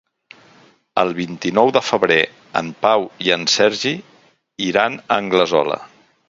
El vint-i-nou de febrer en Pau i en Sergi iran a Anglesola.